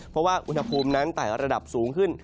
เพราะว่าอุณหภูมินั้นไต่ระดับสูงขึ้น